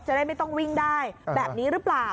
จะได้ไม่ต้องวิ่งได้แบบนี้หรือเปล่า